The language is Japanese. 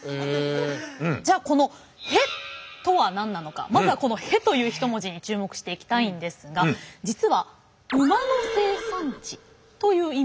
じゃあこのまずはこの「戸」という１文字に注目していきたいんですが実は馬の生産地という意味があるんです。